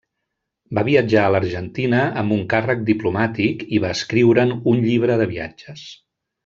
Va viatjar a l'Argentina amb un càrrec diplomàtic, i va escriure'n un llibre de viatges.